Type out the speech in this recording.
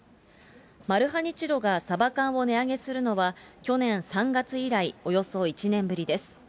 マルハニチロがサバ缶を値上げするのは、去年３月以来およそ１年ぶりです。